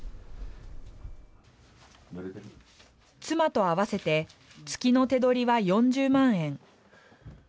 妻と合わせて月の手取りは４０万円。